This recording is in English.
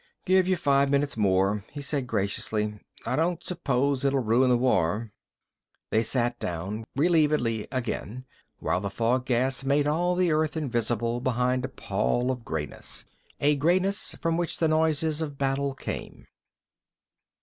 "Give you five minutes more," he said graciously. "I don't suppose it'll ruin the war." They sat down relievedly again, while the fog gas made all the earth invisible behind a pall of grayness, a grayness from which the noises of battle came.